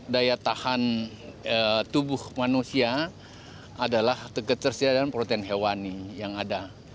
daya tahan tubuh manusia adalah ketersediaan protein hewani yang ada